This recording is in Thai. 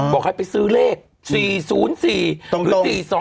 บอกให้ไปซื้อเลข๔๐๔หรือ๔๒